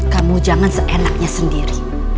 kamu jangan seenaknya sendiri